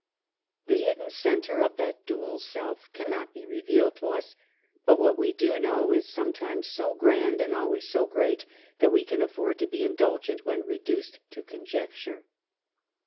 The hidden centre of that dual self cannot be revealed to us ; but what we do know is some times so grand and always so great that we can afford to be indulgent when reduced to conject ure.